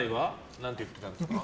何て言ってたんですか？